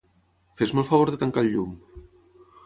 Fes-me el favor de tancar el llum.